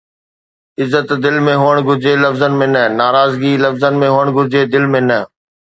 عزت دل ۾ هئڻ گهرجي لفظن ۾ نه. ناراضگي لفظن ۾ هئڻ گهرجي دل ۾ نه